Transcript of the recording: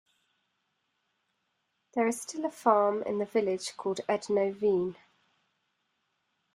There is still a farm in the village called Ednoe-vean.